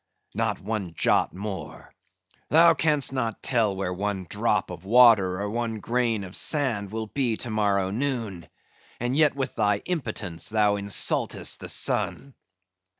not one jot more! Thou canst not tell where one drop of water or one grain of sand will be to morrow noon; and yet with thy impotence thou insultest the sun!